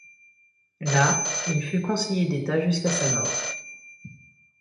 Là, il fut conseiller d'État jusqu'à sa mort.